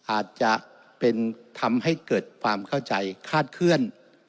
อาจจะเป็นทำให้เกิดความเข้าใจคาดเคลื่อน